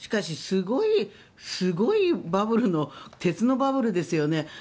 しかし、すごいバブルの鉄のバブルですよね。